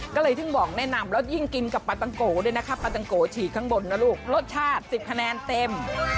ก็เลยถึงบอกแนะนำแล้วยิ่งกินกับปลาตังโกด้วยนะคะปลาตังโกฉีกข้างบนนะลูกรสชาติ๑๐คะแนนเต็ม